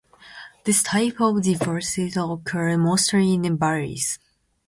This type of deposit occurs mostly in valleys.